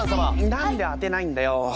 何で当てないんだよ。